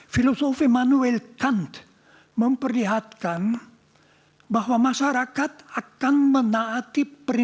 filosofi manuel count memperlihatkan bahwa masyarakat akan menaati perilaku